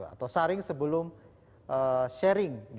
atau saring sebelum sharing